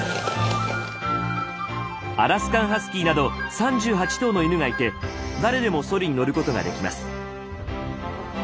アラスカンハスキーなど３８頭の犬がいて誰でもソリに乗ることができます。